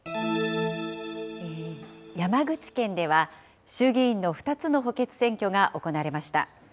山口県では、衆議院の２つの補欠選挙が行われました。